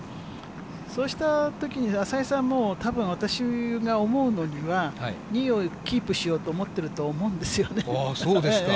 そうしたときに、淺井さんはもう、たぶん、私が思うのには、２位をキープしようと思ってると思うんですよね。